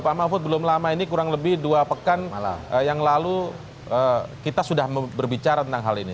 pak mahfud belum lama ini kurang lebih dua pekan yang lalu kita sudah berbicara tentang hal ini